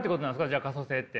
じゃあ可塑性って。